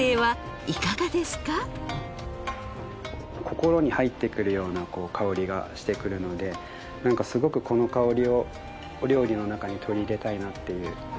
心に入ってくるような香りがしてくるのでなんかすごくこの香りをお料理の中に取り入れたいなっていう。